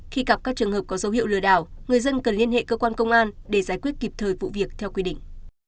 khi gặp các trường hợp có dấu hiệu lừa đảo người dân cần liên hệ cơ quan công an để giải quyết kịp thời vụ việc theo quy định